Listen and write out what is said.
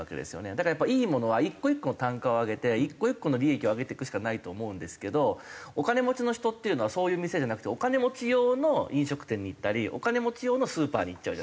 だからやっぱいいものは１個１個の単価を上げて１個１個の利益を上げていくしかないと思うんですけどお金持ちの人っていうのはそういう店じゃなくてお金持ち用の飲食店に行ったりお金持ち用のスーパーに行っちゃうじゃないですか。